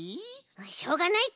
しょうがないち。